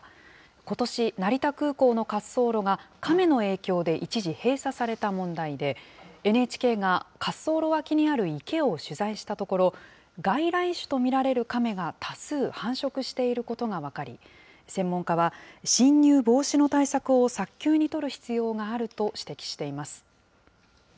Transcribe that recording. ことし、成田空港の滑走路がカメの影響で一時閉鎖された問題で、ＮＨＫが滑走路脇にある池を取材したところ、外来種と見られるカメが多数繁殖していることが分かり、専門家は侵入防止の対策を早急に取る必要があると指摘しています。